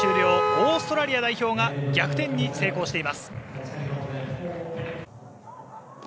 オーストラリア代表が逆転に成功しています。